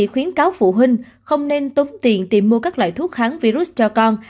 bác sĩ khuyến cáo phụ huynh không nên tốn tiền tìm mua các loại thuốc kháng virus cho con